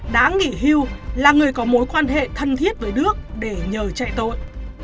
đã nghỉ hưu là người có mối quan hệ thân thiết với đức để nhờ chạy tội